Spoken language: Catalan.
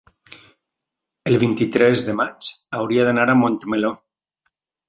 el vint-i-tres de maig hauria d'anar a Montmeló.